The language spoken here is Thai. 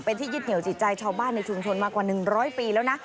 เป็นที่ยึดเหนียวจิตใจชาวบ้านในชุมชนมากว่า๑๐๐ปีแล้วนะ